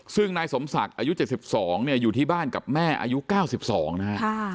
ซึ่งนายสมศักดิ์อายุ๗๒อยู่ที่บ้านกับแม่อายุ๙๒นะฮะ